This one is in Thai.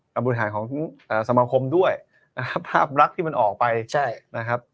บริหารของสมาคมด้วยนะครับภาพลักษณ์ที่มันออกไปใช่นะครับ